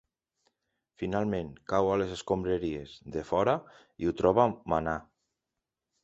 Finalment cau a les escombraries de fora i ho troba Mana.